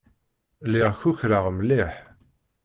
Lliɣ kukraɣ mliḥ.